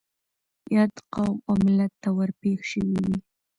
ياد قوم او ملت ته ور پېښ شوي وي.